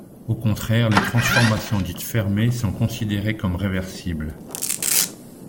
Au contraire, les transformations dites fermées sont considérées comme réversibles.